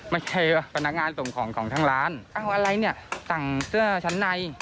มาเจอพนักงานส่งของของทางร้านเอาอะไรเนี่ยสั่งเสื้อชั้นใน